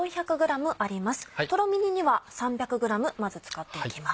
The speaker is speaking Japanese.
とろみ煮には３００ｇまず使っていきます。